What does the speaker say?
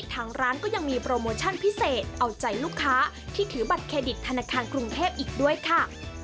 ทางร้านก็ยังมีโปรโมชั่นพิเศษเอาใจลูกค้าที่ถือบัตรเครดิตธนาคารกรุงเทพอีกด้วยค่ะ